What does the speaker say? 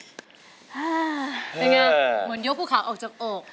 เป็นไงเหมือนยกภูเขาออกจากอก